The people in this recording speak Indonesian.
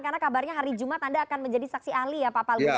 karena kabarnya hari jumat anda akan menjadi saksi ahli ya pak palguna ya